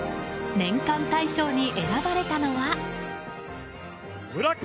年間大賞に選ばれたのは。